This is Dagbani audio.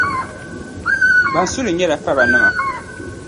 Ban su li nyɛla faranima.